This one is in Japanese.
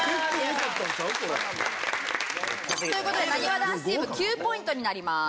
これ。という事でなにわ男子チーム９ポイントになります。